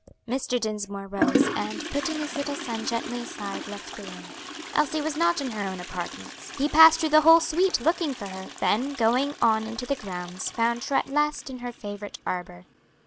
Mr. Dinsmore rose, and, putting his little son gently aside, left the room. Elsie was not in her own apartments; he passed through the whole suite, looking for her; then, going on into the grounds, found her at last in her favorite arbor.